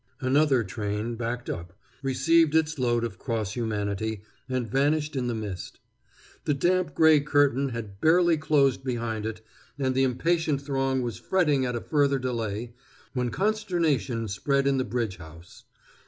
Another train backed up, received its load of cross humanity, and vanished in the mist. The damp gray curtain had barely closed behind it, and the impatient throng was fretting at a further delay, when consternation spread in the bridge house.